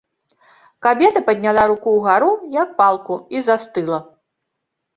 Кабета падняла руку ўгару, як палку, і застыла.